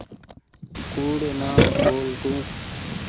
ڪوڙ نآ ٻول تو۔